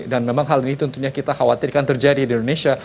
dan memang hal ini tentunya kita khawatirkan terjadi di indonesia